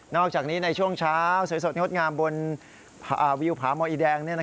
อกจากนี้ในช่วงเช้าสวยสดงดงามบนวิวผาหมออีแดง